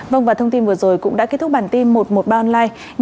vâng và thông tin vừa rồi cũng đã kết thúc bản tin một trăm một mươi ba online